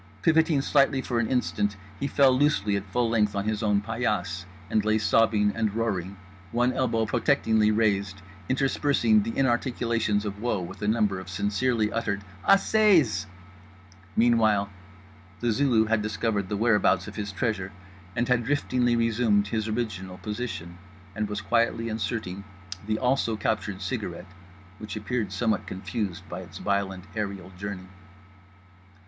Pivoting slightly for an instant he fell loosely at full length on his own paillasse, and lay sobbing and roaring, one elbow protectingly raised, interspersing the inarticulations of woe with a number of sincerely uttered Assez!'s. Meanwhile The Zulu had discovered the whereabouts of his treasure, had driftingly resumed his original position; and was quietly inserting the also captured cigarette which appeared somewhat confused by its violent aerial journey.